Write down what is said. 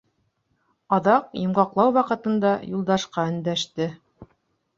Аҙаҡ, йомғаҡлау ваҡытында, Юлдашҡа өндәште.